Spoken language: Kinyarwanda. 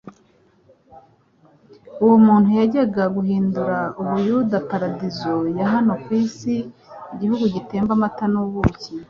Uwo muntu yajyaga guhindura Ubuyuda Paradiso ya hano ku isi igihugu gitemba amata n'ubuki.